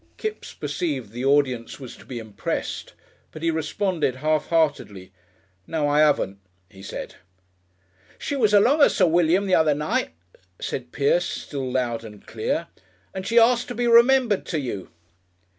Kipps perceived the audience was to be impressed, but he responded half heartedly, "No, I 'aven't," he said. "She was along of Sir William the other night," said Pierce, still loud and clear, "and she asked to be remembered to you."